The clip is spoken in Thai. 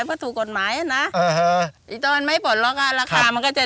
เพราะถูกกฎหมายนะอือฮ่อ